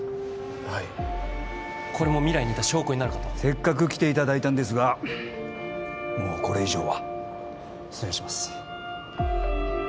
はいこれも未来にいた証拠になるかとせっかく来ていただいたんですがもうこれ以上は失礼します